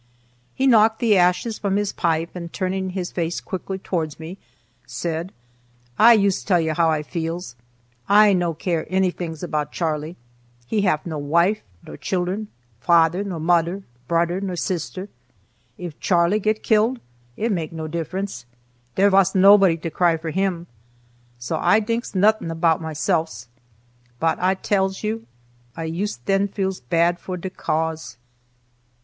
He knocked the ashes from his pipe and, turning his face quickly towards me, said: "I yoost tells you how I feels. I no care anydings about Charley; he haf no wife nor children, fadder nor mudder, brudder nor sister; if Charley get killed, it makes no difference; dere vas nobody to cry for him, so I dinks nudding about myselfs; but I tells you, I yoost den feels bad for de Cause!"